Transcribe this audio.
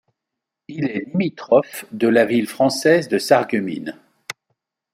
Il est limitrophe de la ville française de Sarreguemines.